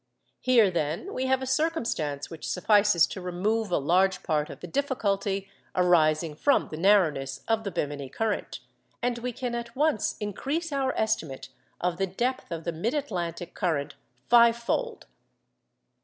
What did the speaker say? Here, then, we have a circumstance which suffices to remove a large part of the difficulty arising from the narrowness of the Bemini current, and we can at once increase our estimate of the depth of the mid Atlantic current fivefold.